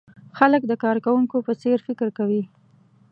خلک د کارکوونکو په څېر فکر کوي.